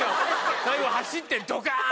最後走ってドカン！